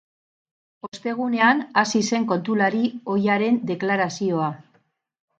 Ostegunean hasi zen kontulari ohiaren deklarazioa.